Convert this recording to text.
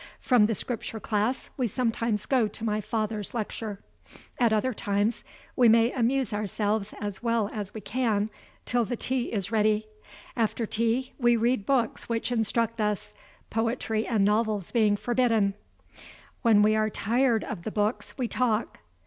From the Scripture class we sometimes go to my father's lecture. At other times, we may amuse ourselves as well as we can till the tea is ready. After tea, we read books which instruct us, poetry and novels being forbidden. When we are tired of the books we talk.